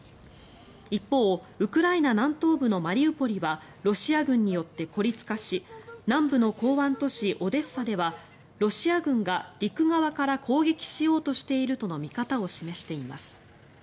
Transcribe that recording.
一方、ウクライナ南東部のマリウポリはロシア軍によって孤立化し南部の港湾都市、オデッサではロシア軍が陸側から攻撃しようとしているとの見方を示しています。